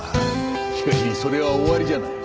しかしそれは終わりじゃない。